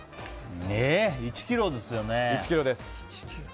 １ｋｇですよね。